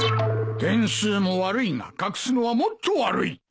点数も悪いが隠すのはもっと悪い。